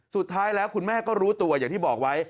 สุดท้ายแล้วคุณแม่ก็รู้ตัวอย่างที่บอกไว้